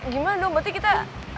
gimana dong berarti kita